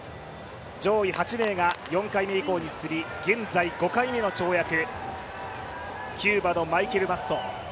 上位８名が４回目以降に進み現在５回目の跳躍、キューバのマイケル・マッソ。